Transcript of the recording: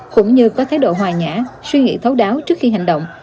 cũng như có thái độ hòa nhã suy nghĩ thấu đáo trước khi hành động